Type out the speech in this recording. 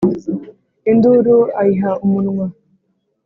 induru ayiha umunwa.